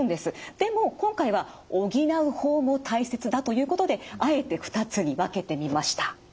でも今回は補う方も大切だということであえて２つに分けてみました。